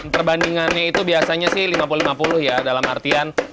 perbandingannya itu biasanya sih lima puluh lima puluh ya dalam artian